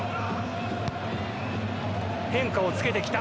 変化をつけてきた。